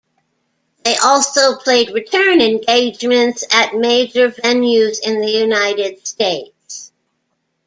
They also played return engagements at major venues in the United States.